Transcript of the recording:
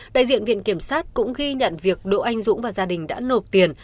đại diện viện kiểm sát cũng ghi nhận việc đỗ anh dũng và gia đình đã nộp tiền